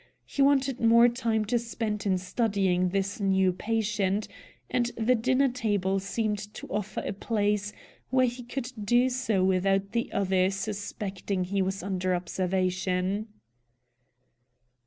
He wanted more time to spend in studying this new patient, and the dinner table seemed to offer a place where he could do so without the other suspecting he was under observation.